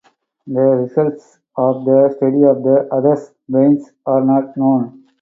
The results of the study of the others' brains are not known.